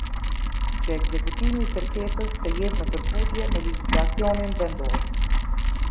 Që ekzekutimi i kërkesës të jetë në përputhje më legjislacionin vendor.